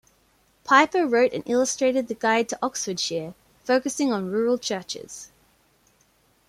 Piper wrote and illustrated the guide to Oxfordshire, focusing on rural churches.